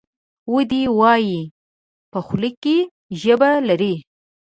ودي وایي ! په خوله کې ژبه لري .